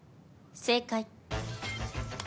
正解。